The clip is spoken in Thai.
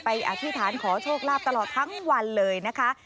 อธิษฐานขอโชคลาภตลอดทั้งวันเลยนะคะ